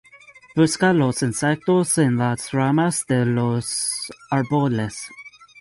Busca los insectos en las ramas de los árboles.